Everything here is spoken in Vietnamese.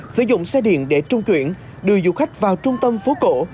sử dụng xe điện để trung chuyển đưa du khách vào trung tâm phố cổ